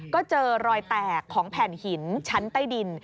ก็เจอรอยแตกของแผ่นหินชั้นใต้ดิน